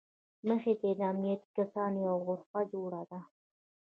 مخې ته یې د امنیتي کسانو یوه غرفه جوړه ده.